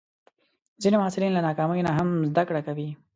ځینې محصلین له ناکامۍ نه هم زده کړه کوي.